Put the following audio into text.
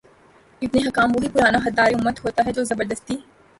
ابن حکام وہی پرانا غدار امت ہوتا ہے جو زبردستی